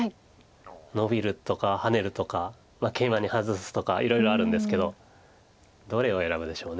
ノビるとかハネるとかケイマにハズすとかいろいろあるんですけどどれを選ぶでしょう。